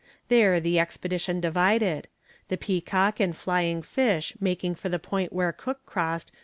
There the expedition divided, the Peacock and Flying Fish making for the point were Cook crossed S.